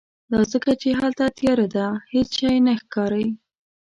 دا ځکه چې هلته تیاره ده، هیڅ شی نه ښکاری